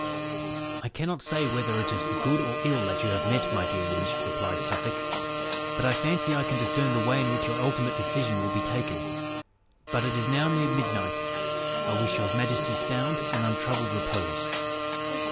"I cannot say whether it is for good or ill that you have met, my dear liege," replied Suffolk, "but I fancy I can discern the way in which your ultimate decision will be taken. But it is now near midnight. I wish your majesty sound and untroubled repose."